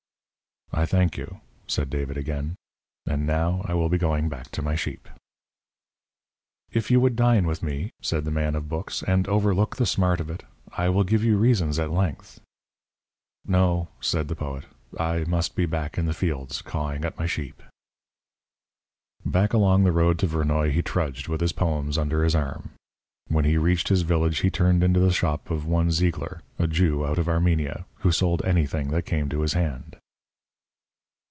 "I thank you," said David, again. "And now I will be going back to my sheep." "If you would dine with me," said the man of books, "and overlook the smart of it, I will give you reasons at length." "No," said the poet, "I must be back in the fields cawing at my sheep." Back along the road to Vernoy he trudged with his poems under his arm. When he reached his village he turned into the shop of one Zeigler, a Jew out of Armenia, who sold anything that came to his hand.